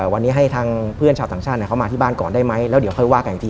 วันนี้ให้ทางเพื่อนชาวต่างชาติเขามาที่บ้านก่อนได้ไหมแล้วเดี๋ยวค่อยว่ากันอีกที